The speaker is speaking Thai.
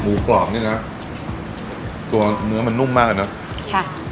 กรอบนี่นะตัวเนื้อมันนุ่มมากนะค่ะ